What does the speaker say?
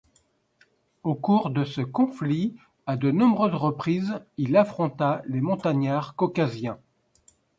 Au cours de ce conflit, à de nombreuses reprises, il affronta les montagnards caucasiens.